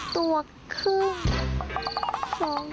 ๒ตัวครึ่ง